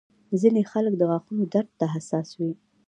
ځینې خلک د غاښونو درد ته حساس وي.